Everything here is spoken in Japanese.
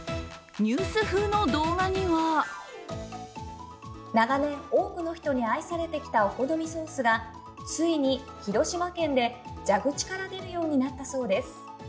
ニュース風の動画には長年多くの人に愛されてきたお好みソースがついに広島県で蛇口から出るようになったそうです。